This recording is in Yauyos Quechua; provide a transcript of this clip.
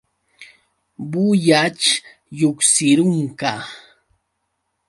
Bullaćh lluqsirunqa.